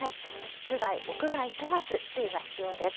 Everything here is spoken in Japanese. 室外、屋外問わず注意が必要です。